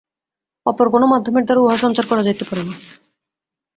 অপর কোন মাধ্যমের দ্বারা উহা সঞ্চার করা যাইতে পারে না।